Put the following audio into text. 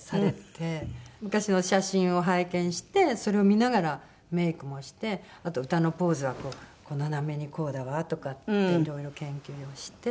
昔の写真を拝見してそれを見ながらメイクもしてあと歌のポーズはこう斜めにこうだわとかっていろいろ研究をして。